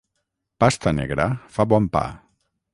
Pasta negra fa bon pa.